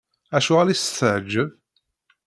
Acuɣer i s-teɛǧeb?